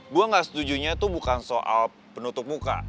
gue gak setujunya itu bukan soal penutup muka